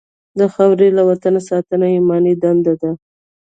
د خاورې او وطن ساتنه ایماني دنده ده.